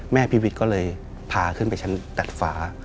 พี่วิทย์ก็เลยพาขึ้นไปชั้นตัดฝา